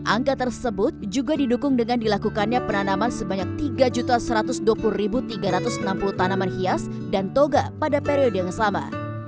angka tersebut juga didukung dengan dilakukannya penanaman sebanyak tiga satu ratus dua puluh tiga ratus enam puluh tanaman hias dan toga pada periode yang sama